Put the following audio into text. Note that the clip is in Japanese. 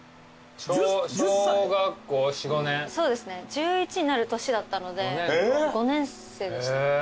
１１になる年だったので５年生でした。